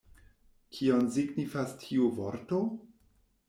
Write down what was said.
Kion signifas tiu vorto?